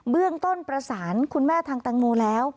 เบื้องต้นประสานคุณแม่ทางแตงโมแล้ว